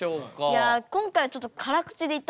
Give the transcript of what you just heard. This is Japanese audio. いや今回はちょっと辛口でいったんですけど。